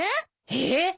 えっ？